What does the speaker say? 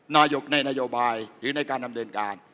นายกในนโยบายหรือในการดำเนินการ